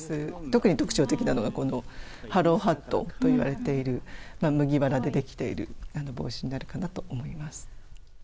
特に特徴的なのが、このハロウハットといわれている、麦わらで出来ている帽子になるかなと思います。